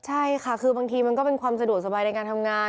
ใช่ค่ะคือบางทีมันก็เป็นความสะดวกสบายในการทำงาน